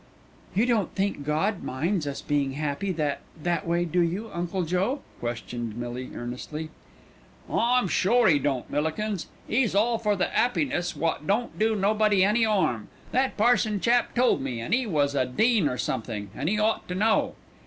"You don't think God minds us being happy that that way, do you, Uncle Joe?" questioned Millie earnestly. "I'm sure 'E don't, Millikins. 'E's all for the 'appiness wot don't do nobody any 'arm. That parson chap told me, an' 'e was a dean or somethink, an' 'e ought to know."